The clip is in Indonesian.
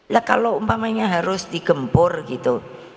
lah kalau umpamanya harus digempur gitu